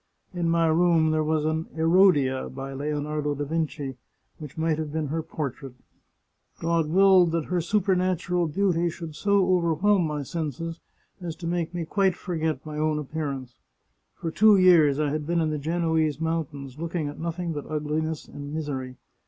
In my room there was an Herodia, by Leonardo da Vinci, which might have been her portrait. God willed that her supernatural beauty should so over whelm my senses as to make me quite forget my own 4 The Chartreuse of Parma appearance. For two years I had been in the Genoese mountains, looking at nothing but ugliness and misery.